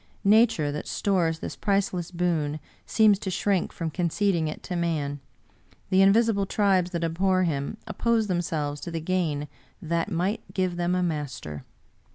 Nature, that stores this priceless boon, seems to shrink from conceding it to man — the invisible tribes that abhor him oppose themselves to the gain that 2^ight give them a master.